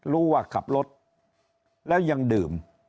รู้ว่าขับรถแล้วยังดื่ม